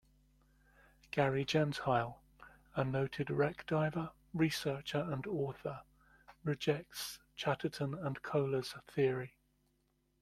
Gary Gentile, a noted wreck diver, researcher, and author, rejects Chatteron and Kohler's theory.